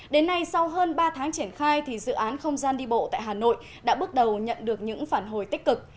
đến nay sau hơn ba tháng triển khai thì dự án không gian đi bộ tại hà nội đã bước đầu nhận được những phản hồi tích cực